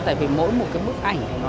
tại vì mỗi một bức ảnh